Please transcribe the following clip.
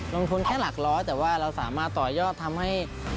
ลงทุนแค่หลักร้อยแต่ว่าเราสามารถต่อยอดทำให้